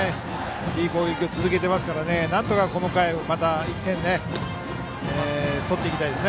いい攻撃を続けていますからなんとかこの回また１点取っていきたいです。